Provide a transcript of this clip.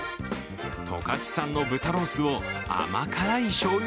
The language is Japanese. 十勝産の豚ロースを甘辛いしょうゆ